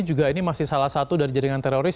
juga ini masih salah satu dari jaringan teroris